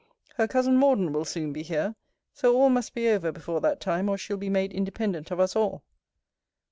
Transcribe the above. Her cousin Morden will soon be here: so all must be over before that time, or she'll be made independent of us all.